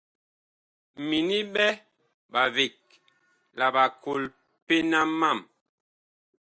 Mini ɓɛ ɓaveg la ɓakol pena mam.